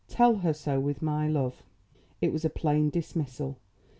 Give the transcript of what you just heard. Tell her so with my love." It was a plain dismissal.